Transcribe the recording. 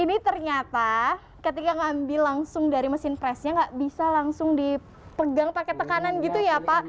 ini ternyata ketika ngambil langsung dari mesin presnya nggak bisa langsung dipegang pakai tekanan gitu ya pak